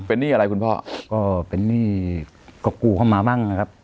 เป็นหนี้อะไรคุณพ่อก็เป็นหนี้ก็กู้เข้ามาบ้างนะครับ